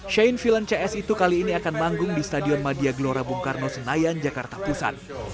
shane villan cs itu kali ini akan manggung di stadion madiaglora bung karno senayan jakarta pusan